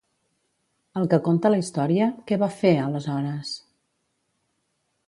El que conta la història, què va fer aleshores?